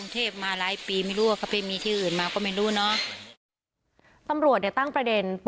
ตำรวจเต้นประเด็น